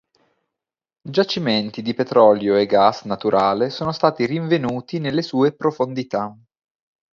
Giacimenti di petrolio e gas naturale sono stati rinvenuti nelle sue profondità.